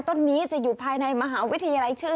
ต้นนี้จะอยู่ภายในมหาวิทยาลัยชื่อ